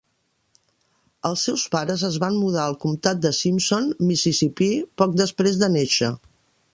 Els seus pares es van mudar al comtat de Simpson, Mississipí, poc després de néixer.